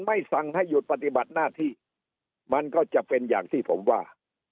ไม่สั่งให้หยุดปฏิบัติหน้าที่มันก็จะเป็นอย่างที่ผมว่า